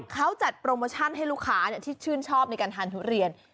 เขาจัดโปรโมชั่นให้ลูกค้าที่ชื่นชอบในการทานทุเรียน